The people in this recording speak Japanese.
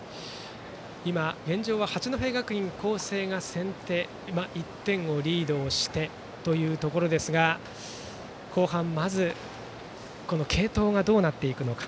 現状は八戸学院光星が先手１点をリードをしてというところですが後半、まず継投がどうなっていくのか。